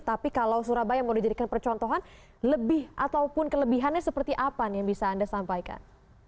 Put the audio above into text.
tapi kalau surabaya mau dijadikan percontohan lebih ataupun kelebihannya seperti apa nih yang bisa anda sampaikan